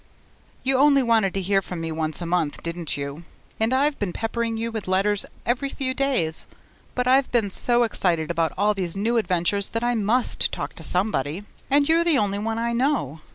You only wanted to hear from me once a month, didn't you? And I've been peppering you with letters every few days! But I've been so excited about all these new adventures that I MUST talk to somebody; and you're the only one I know.